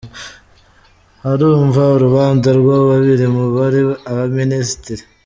Harumvwa urubanza rwa babiri mu bari abaminisitiri